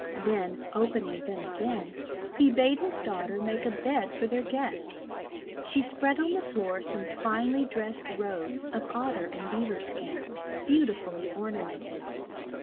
Then, opening them again, he bade his daughter make a bed for their guest. She spread on the floor some finely dressed robes of Otter and Beaver skin, beautifully ornamented.